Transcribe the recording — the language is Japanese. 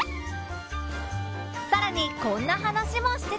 さらにこんな話もしてたっシュ。